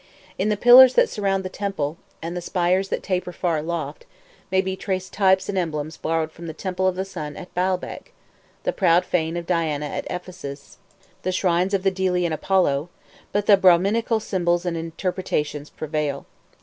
In the pillars that surround the temple, and the spires that taper far aloft, may be traced types and emblems borrowed from the Temple of the Sun at Baalbec, the proud fane of Diana at Ephesus, the shrines of the Delian Apollo; but the Brahminical symbols and interpretations prevail.